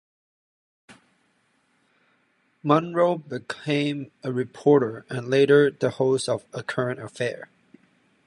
Munro became a reporter and later the host of "A Current Affair".